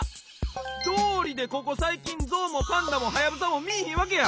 どうりでここさいきんゾウもパンダもハヤブサもみいひんわけや！